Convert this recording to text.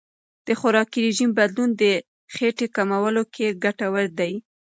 د خوراکي رژیم بدلون د خېټې کمولو کې ګټور دی.